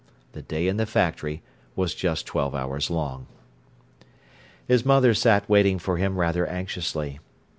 The day in the factory was just twelve hours long. His mother sat waiting for him rather anxiously.